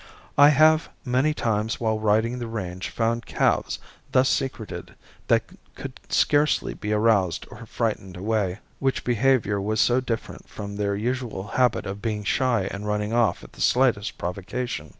I have many times while riding the range found calves thus secreted that could scarcely be aroused or frightened away, which behavior was so different from their usual habit of being shy and running off at the slightest provocation.